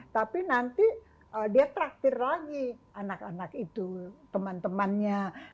tapi nanti dia traktir lagi anak anak itu teman temannya